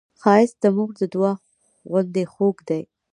ښایست د مور د دعا غوندې خوږ دی